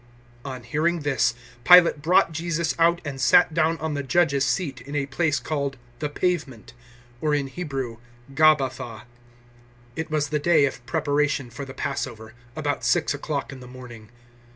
019:013 On hearing this, Pilate brought Jesus out, and sat down on the judge's seat in a place called the Pavement or in Hebrew, Gabbatha. 019:014 It was the day of Preparation for the Passover, about six o'clock in the morning.